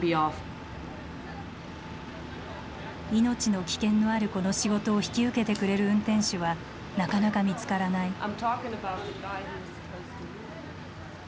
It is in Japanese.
命の危険のあるこの仕事を引き受けてくれる運転手はなかなか見つからない。